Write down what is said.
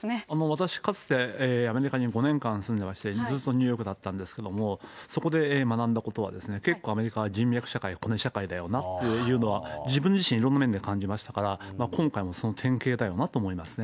私、かつてアメリカに５年間住んでまして、ずっとニューヨークだったんですけれども、そこで学んだことはですね、結構、アメリカは人脈社会、コネ社会だよなというのは、自分自身、いろいろな面で感じましたから、今回もその典型だよなと思いますね。